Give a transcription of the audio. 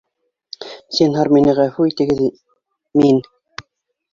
— Зинһар мине ғәфү итегеҙ, мин